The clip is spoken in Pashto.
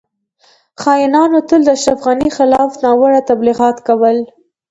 خاینانو تل د اشرف غنی خلاف ناوړه تبلیغات کول